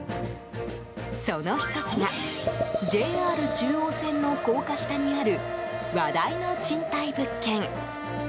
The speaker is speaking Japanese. その１つが、ＪＲ中央線の高架下にある話題の賃貸物件。